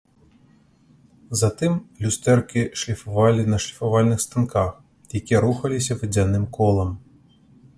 Затым люстэркі шліфавалі на шліфавальных станках, якія рухаліся вадзяным колам.